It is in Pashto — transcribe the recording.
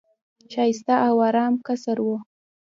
ښایسته او آرام قصر وو.